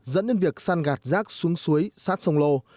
dẫn đến việc san gạt rác xuống suối sát sông lô